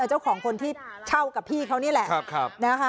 เจ้าของคนที่เช่ากับพี่เขานี่แหละ